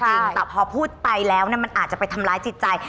แต่พอพูดไปแล้วเนี่ยมันอาจจะไปทำร้ายจิตใจ